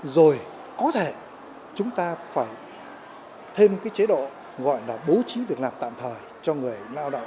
rồi có thể chúng ta phải thêm cái chế độ gọi là bố trí việc làm tạm thời cho người lao động